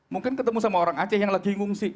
mungkin ketemu sama orang aceh yang lagi ngungsi